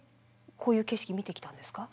こういう景色見てきたんですか？